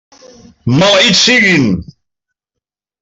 Maleïts siguin!